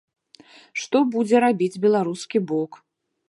Што будзе рабіць беларускі бок?